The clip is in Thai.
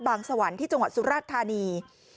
บางสวรรค์ที่จังหวัดสุราษฎร์ธานี